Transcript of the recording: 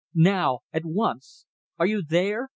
Now! At once! Are you there?